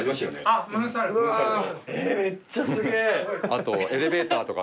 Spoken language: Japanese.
あとエレベーターとか。